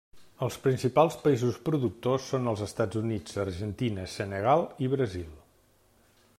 Els principals països productors són els Estats Units, Argentina, Senegal i Brasil.